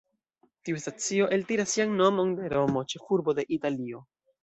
Tiu stacio eltiras sian nomon de Romo, ĉefurbo de Italio.